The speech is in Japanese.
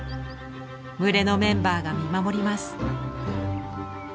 群れのメンバーが見守ります。